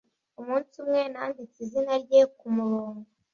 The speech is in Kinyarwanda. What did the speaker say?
umunsi umwe, nanditse izina rye kumurongo